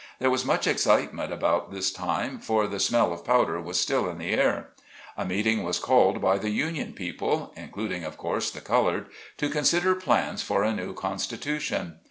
There was much excitement about this time, for the smell of powder was still in the air. A meeting was called by the Union people — including, of course, the colored — to consider plans for a new constitution.